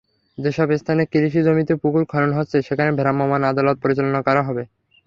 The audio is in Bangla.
যেসব স্থানে কৃষিজমিতে পুকুর খনন হচ্ছে, সেখানে ভ্রাম্যমাণ আদালত পরিচালনা করা হবে।